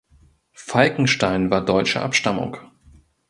Falkenstein war deutscher Abstammung.